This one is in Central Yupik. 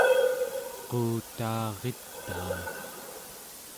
quutaaritaa